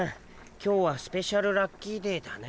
今日はスペシャルラッキーデーだね。